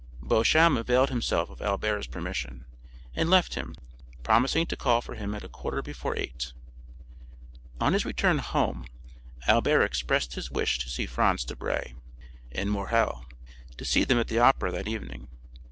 Beauchamp availed himself of Albert's permission, and left him, promising to call for him at a quarter before eight. On his return home, Albert expressed his wish to Franz Debray, and Morrel, to see them at the Opera that evening.